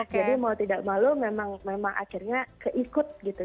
jadi mau tidak malu memang akhirnya keikut gitu